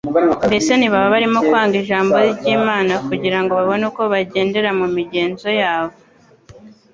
Mbese ntibaba barimo kwanga ijambo ry’Imana kugira ngo babone uko bagendera mu migenzo yabo